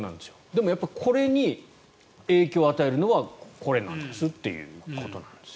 でも、これに影響を与えるのはこれなんですということです。